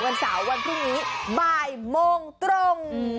วันเสาร์วันพรุ่งนี้บ่ายโมงตรง